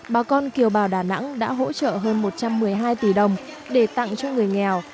bà con kiều bào đà nẵng đã hỗ trợ hơn một trăm một mươi hai tỷ đồng để tặng cho người nghèo